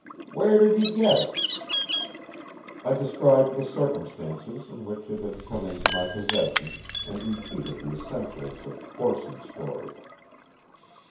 "Where did you get it?" I described the circumstances in which it had come into my possession, and repeated the essentials of Corson's story.